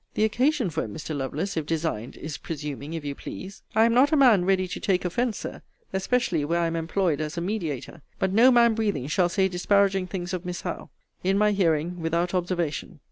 The occasion for it, Mr. Lovelace, if designed, is presuming, if you please. I am not a man ready to take offence, Sir especially where I am employed as a mediator. But no man breathing shall say disparaging things of Miss Howe, in my hearing, without observation.